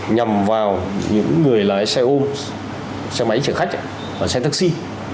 nhằm vào những người lái xe ôm xe máy chở khách và xe taxi